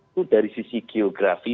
itu dari sisi geografi